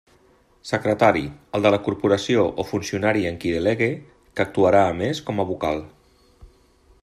Secretari: el de la corporació o funcionari en qui delegue, que actuarà, a més, com a vocal.